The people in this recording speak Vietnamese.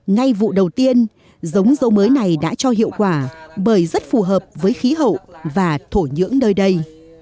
ngay vụ đầu tiên giống dâu mới này đã cho hiệu quả bởi rất phù hợp với khí hậu và thổ nhưỡng nơi đây